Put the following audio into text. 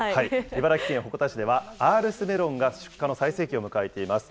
茨城県鉾田市ではアールスメロンが出荷の最盛期を迎えています。